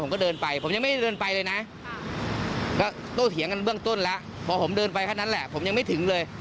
ก็โต้เถียงกันเบื้องต้นแล้วพอผมเดินไปแค่นั้นแหละผมยังไม่ถึงเลย